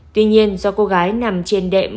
tuy nhiên do cô gái nằm trên đệm